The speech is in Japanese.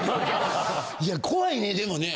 いや怖いねでもね。